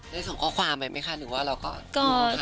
ได้ส่งข้อความใหม่ไหมค่ะหรือว่าเราก็ห่าง